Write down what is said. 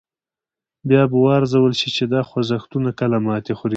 بیا به و ارزول شي چې دا خوځښتونه کله ماتې خوري.